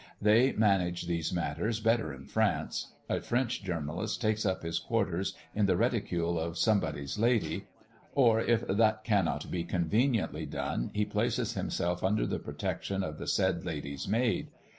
They manage these matters better in France: a French journalist takes up his quarters in the reticule of Somebody's lady, or if that cannot be conveniently done, he places himself under the protection of the said lady's maid.